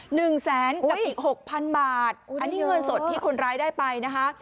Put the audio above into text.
หนึ่งแสนกับอีกหกพันบาทอันนี้เงินสดที่คนร้ายได้ไปนะคะ